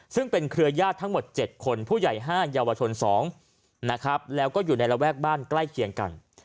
ซึ่งเป็นเครือญาติทั้งหมด๗คนผู้ใหญ่๕เยาวชน๒นะครับแล้วก็อยู่ในระแวกบ้านใกล้เคียงกัน